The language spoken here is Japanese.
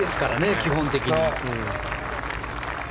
基本的に。